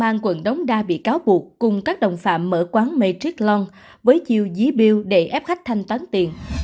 đại úy công an quận đống đa bị cáo buộc cùng các đồng phạm mở quán matrix long với chiêu dí biêu để ép khách thanh toán tiền